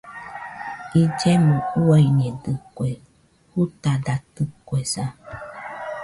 Illemo uiañedɨkue, jutadatɨkuesa.